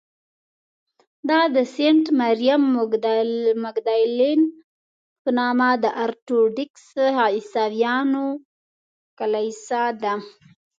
دا د سینټ مریم مګدالین په نامه د ارټوډکس عیسویانو کلیسا ده.